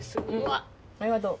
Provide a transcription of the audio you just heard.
ありがとう。